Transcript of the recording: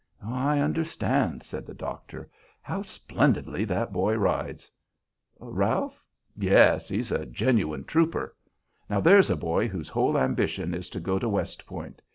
"I understand," said the doctor. "How splendidly that boy rides!" "Ralph? Yes. He's a genuine trooper. Now, there's a boy whose whole ambition is to go to West Point.